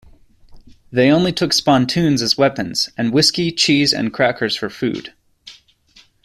They only took spontoons as weapons and whiskey, cheese, and crackers for food.